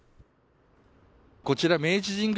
こちら明治神宮